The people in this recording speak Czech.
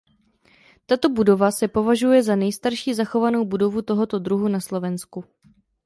Tato budova se považuje za nejstarší zachovanou budovu tohoto druhu na Slovensku.